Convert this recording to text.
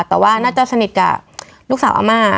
แต่ว่าน่าจะสนิทกับลูกสาวอาม่า